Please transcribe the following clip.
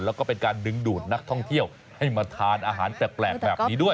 แล้วก็เป็นการดึงดูดนักท่องเที่ยวให้มาทานอาหารแปลกแบบนี้ด้วย